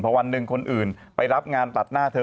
พอวันหนึ่งคนอื่นไปรับงานตัดหน้าเธอ